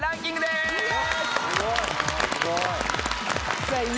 すごい！